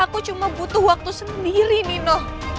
aku cuma butuh waktu sendiri nino